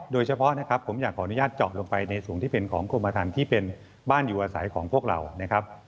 โดยเฉพาะนะครับผมอยากขออนุญาตเจาะลงไปในส่วนที่เป็นของกรมฐานที่เป็นบ้านอยู่อาศัยของพวกเรานะครับ